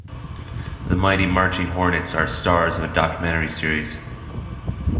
The Mighty Marching Hornets are stars of a documentary series.